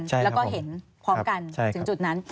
แล้วก็เห็นพร้อมกันถึงจุดนั้น